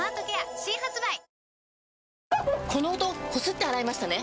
この音こすって洗いましたね？